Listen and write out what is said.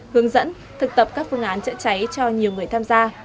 hướng dẫn thực tập các phương án chữa cháy cho nhiều người tham gia